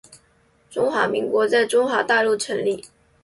中华民国在中国大陆成立